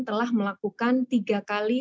telah melakukan tiga kali